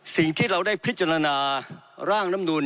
สิ่งที่เราได้พิจารณาร่างน้ำนูน